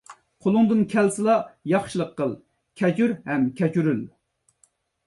قولۇڭدىن كەلسىلا ياخشىلىق قىل. كەچۈر ھەم كەچۈرۈل.